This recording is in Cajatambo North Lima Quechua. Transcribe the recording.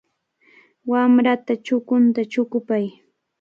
Wamrata chukunta chukupay.